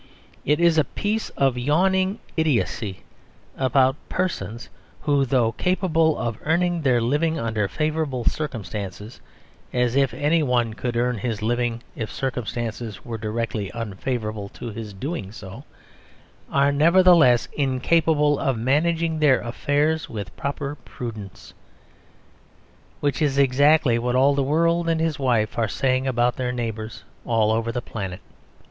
It is a piece of yawning idiocy about "persons who though capable of earning their living under favourable circumstances" (as if anyone could earn his living if circumstances were directly unfavourable to his doing so), are nevertheless "incapable of managing their affairs with proper prudence"; which is exactly what all the world and his wife are saying about their neighbours all over this planet.